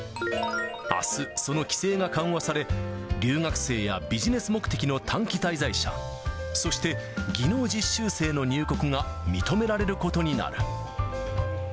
あす、その規制が緩和され、留学生やビジネス目的の短期滞在者、そして技能実習生の入国が認められることになる。